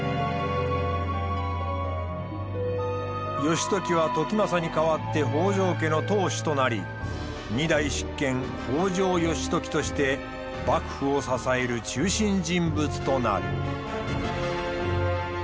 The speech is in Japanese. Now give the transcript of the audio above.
義時は時政に代わって北条家の当主となり２代執権北条義時として幕府を支える中心人物となる。